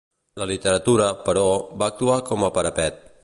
La literatura, però, va actuar com a parapet.